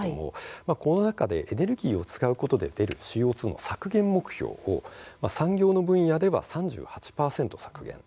この中でエネルギーを使うことで出るＣＯ２の削減目標を産業の分野では３８％削減。